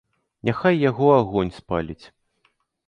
Няхай яго агонь спаліць.